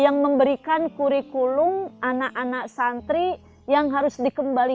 yang memberikan kurikulum anak anak santri yang memberikan kurikulum anak anak santri